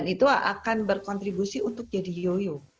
itu akan berkontribusi untuk jadi yoyo